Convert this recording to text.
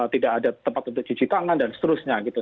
tidak ada tempat untuk cuci tangan dan seterusnya gitu